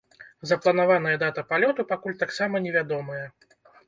Запланаваная дата палёту пакуль таксама не вядомая.